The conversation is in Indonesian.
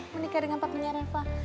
aku mau menikah dengan papinya reva